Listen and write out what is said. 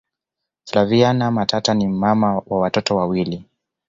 flaviana matata ni mama wa watoto wawilii